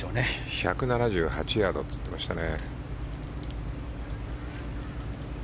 １７８ヤードと言っていましたね。